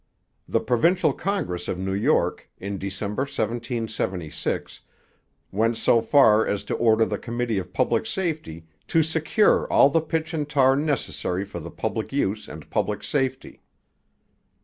The provincial Congress of New York, in December 1776, went so far as to order the committee of public safety to secure all the pitch and tar 'necessary for the public use and public safety.'